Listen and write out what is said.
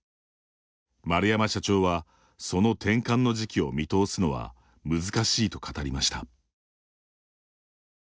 円山社長は、その転換の時期を見通すのは難しいと語りました。